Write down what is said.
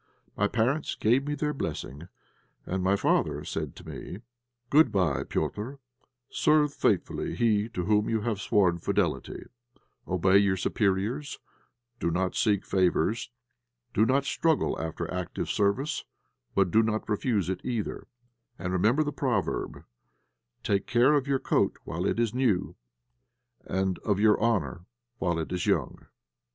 My parents gave me their blessing, and my father said to me "Good bye, Petr'; serve faithfully he to whom you have sworn fidelity; obey your superiors; do not seek for favours; do not struggle after active service, but do not refuse it either, and remember the proverb, 'Take care of your coat while it is new, and of your honour while it is young.'"